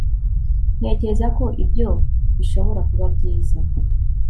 ntekereza ko ibyo bishobora kuba byiza